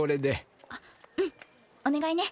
あっうんお願いね。